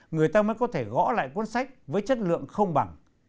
người ta mới có thể gõ lại cuốn sách với chất lượng không bằng